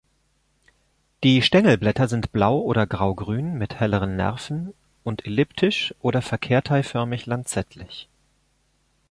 Die Stängelblätter sind blau- oder graugrün mit helleren Nerven und elliptisch oder verkehrteiförmig-lanzettlich.